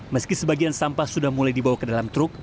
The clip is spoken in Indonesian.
meski sebagian sampah sudah mulai dibawa ke dalam truk